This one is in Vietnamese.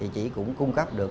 chị cũng cung cấp được